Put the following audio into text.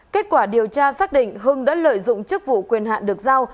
kết quả điều tra xác định hưng đã lợi dụng chức vụ quyền hạn được giao